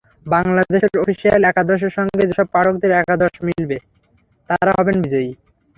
বাংলাদেশের অফিসিয়াল একাদশের সঙ্গে যেসব পাঠকের একাদশ মিলে যাবে, তাঁরা হবেন বিজয়ী।